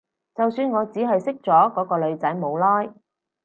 就算我只係識咗嗰個女仔冇耐